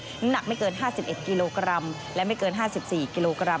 น้ำหนักไม่เกิน๕๑กิโลกรัมและไม่เกิน๕๔กิโลกรัม